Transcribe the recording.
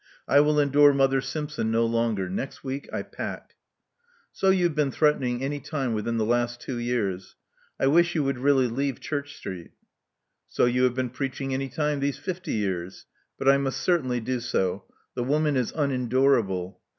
I will endure Mother Simpson no longer. Next week I pack." So you have been threatening any time within the last two years. I wish you would really leave Church Street." So you have been preaching anytime these fifty years. But I must certainly do so: the woman is unendurable.